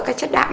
các chất đạo